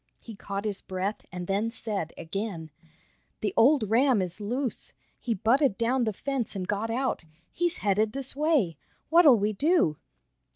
He caught his breath, and then said again: "The old ram is loose! He butted down the fence and got out. He's headed this way. What'll we do?"